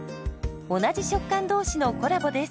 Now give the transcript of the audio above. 同じ食感同士のコラボです。